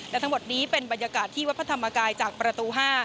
และทั้งหมดนี้เป็นบรรยากาศที่วัดพระธรรมกายจากประตู๕